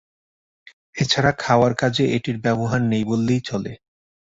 এছাড়া খাওয়ার কাজে এটির ব্যবহার নেই বললেই চলে।